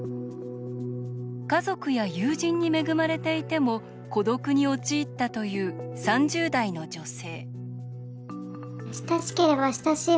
家族や友人に恵まれていても孤独に陥ったという３０代の女性。